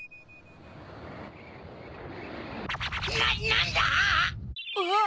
なんだ⁉あっ！